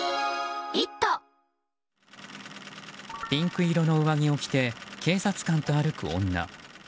ピンク色の上着を着て警察官と歩く女。